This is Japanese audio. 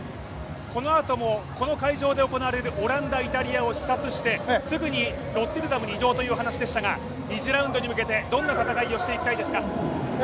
このあとも、この会場で行われるオランダ×イタリアを視察してすぐにロッテルダムに移動という話でしたが２次ラウンドに向けてどんな戦いをしたいですか？